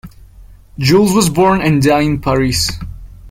Jules was born and died in Paris.